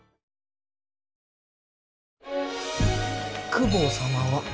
公方様は。